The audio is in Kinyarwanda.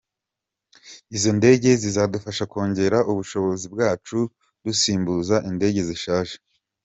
Izo ndege zizadufasha kongera ubushobozi bwacu dusimbuza indege zishaje.